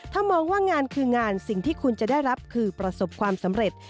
ถ้ามองว่างานคืองานสิ่งที่คุณจะได้รับคือประสบความสำเร็จ